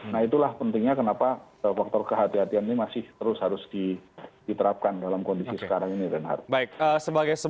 nah itulah pentingnya kenapa faktor kehatian kehatian ini masih terus harus diterapkan dalam kondisi sekarang ini reinhardt